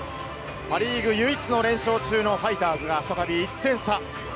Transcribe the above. パ・リーグ唯一連勝中のファイターズが再び１点差。